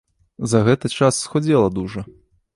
За гэты час схудзела дужа.